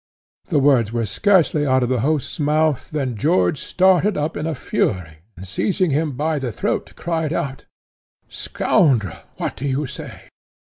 The words were scarcely out of the host's mouth than George started up in a fury, and, seizing him by the throat, cried out, "Scoundrel, what do you say?